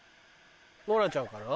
ノラちゃんかな？